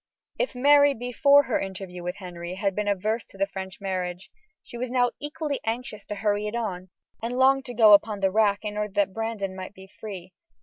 If Mary, before her interview with Henry, had been averse to the French marriage, she was now equally anxious to hurry it on, and longed to go upon the rack in order that Brandon might be free.